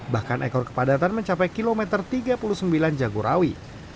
bahkan ekor kepadatan mencapai kilometer tiga puluh sembilan jagorawi